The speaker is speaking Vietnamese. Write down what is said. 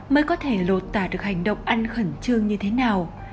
mới có thể lột tả được hành động ăn khẩn trương như thế nào